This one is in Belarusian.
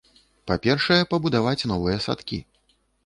Па-першае, пабудаваць новыя садкі.